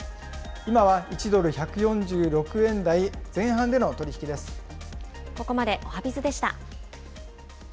今は１ドル１４６円台前半での取ここまでおはＢｉｚでした。